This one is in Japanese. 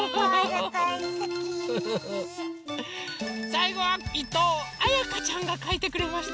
さいごはいとうあやかちゃんがかいてくれました。